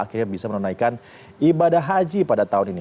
akhirnya bisa menunaikan ibadah haji pada tahun ini